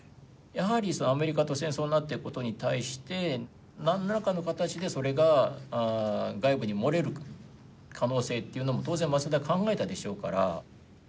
やはりアメリカと戦争になっていくことに対して何らかの形でそれが外部に漏れる可能性っていうのも当然松田は考えたでしょうから。